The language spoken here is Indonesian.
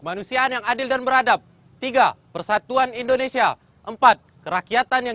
mas jangan deket deket nanti ketawan